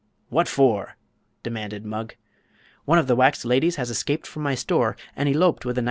"What for?" demanded Mugg. "One of the wax ladies has escaped from my store and eloped with a $19.